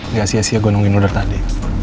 gak sia sia gue nungguin lo dari tadi